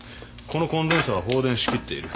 このコンデンサーは放電しきっている。